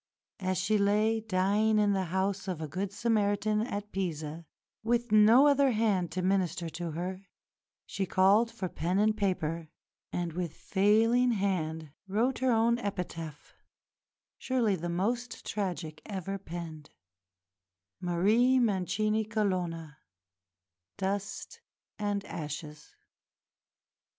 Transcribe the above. As she lay dying in the house of a good Samaritan at Pisa, with no other hand to minister to her, she called for pen and paper, and with failing hand wrote her own epitaph, surely the most tragic ever penned "Marie Mancini Colonna Dust and Ashes."